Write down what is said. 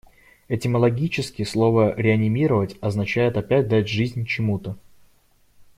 Этимологически слово "реанимировать" означает опять дать жизнь чему-то.